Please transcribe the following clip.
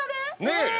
ねえ！